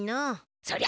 そりゃ。